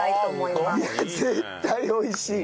いや絶対美味しい！